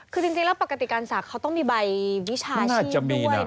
คือจริงแล้วปกติการศักดิ์เขาต้องมีใบวิชาชีพด้วย